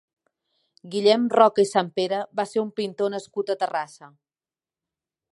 Guillem Roca i Sanpere va ser un pintor nascut a Terrassa.